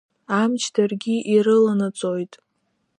Амч даргьы ирыланаҵоит.